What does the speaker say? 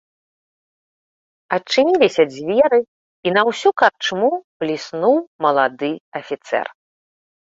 Адчыніліся дзверы, і на ўсю карчму бліснуў малады афіцэр.